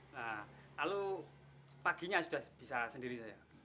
lalu paginya sudah bisa sendiri saya